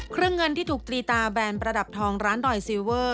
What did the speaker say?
เงินที่ถูกตรีตาแบรนด์ประดับทองร้านดอยซีเวอร์